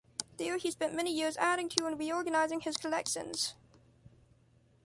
There he spent many years adding to and reorganizing his collections.